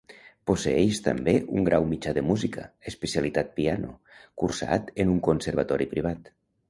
Posseeix també un grau mitjà de Música, especialitat piano, cursat en un conservatori privat.